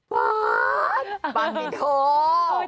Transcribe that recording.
ป๊าสป๊าสตีท่อ